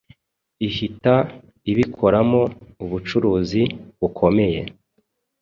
ihita ibikoramo ubucuruzi bukomeye